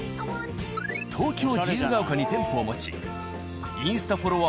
東京・自由が丘に店舗を持ちインスタフォロワ―